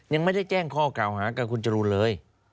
ยังไม่ได้แจ้งข้อกล่าวหากับคุณจรูนเลย